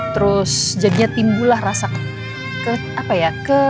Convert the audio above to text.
terus jadinya timbulah rasa ke apa ya